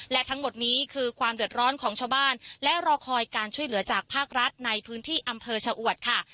และทั้งหมดนี้คือความเดือดร้อนของชาวบ้านและรอคอยการช่วยเหลือจากภาครัฐในพื้นที่อำเภอชะอวดค่ะ